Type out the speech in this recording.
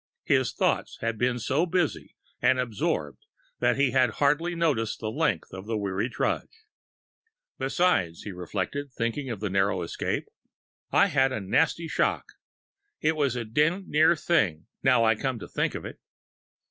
His thoughts had been so busy and absorbed that he had hardly noticed the length of weary trudge.... "Besides," he reflected, thinking of the narrow escape, "I've had a nasty shock. It was a d d near thing, now I come to think of it...."